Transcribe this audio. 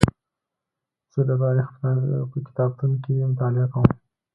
زه د تاریخ په کتابتون کې مطالعه کوم.